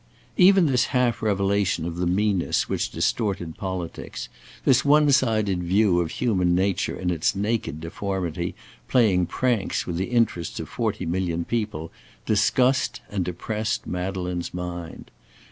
Even this half revelation of the meanness which distorted politics; this one sided view of human nature in its naked deformity playing pranks with the interests of forty million people, disgusted and depressed Madeleine's mind.